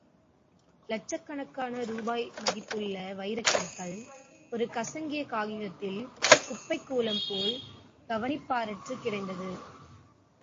லட்சக் கணக்கான ரூபாய் மதிப்புள்ள வைரக்கற்கள், ஒரு கசங்கிய காகிதத்தில் குப்பைக் கூளம்போல கவனிப்பாரற்றுக் கிடந்தது.